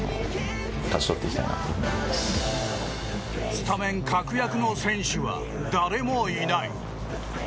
スタメン確約の選手は誰もいない。